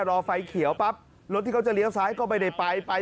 รอไฟเขียวปั๊บรถที่เขาจะเลี้ยวซ้ายก็ไม่ได้ไปไป